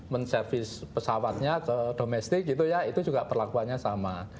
menservis pesawatnya ke domestik gitu ya itu juga perlakuannya sama